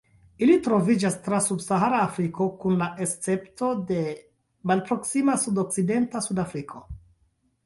Ili troviĝas tra subsahara Afriko, kun la escepto de malproksima sudokcidenta Sudafriko.